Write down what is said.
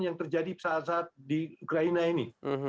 yang terjadi saat saat di ukraina ini